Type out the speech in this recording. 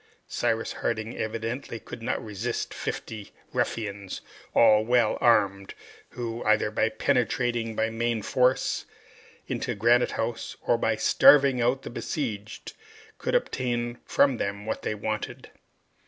Cyrus Harding evidently could not resist fifty ruffians, all well armed, who, either by penetrating by main force into Granite House, or by starving out the besieged, could obtain from them what they wanted.